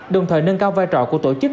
đồng thời nâng cao vai trò của tổ chức